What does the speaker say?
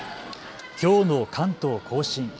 きょうの関東甲信。